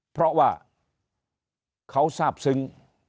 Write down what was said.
เพราะว่าเขาทราบซึ้ง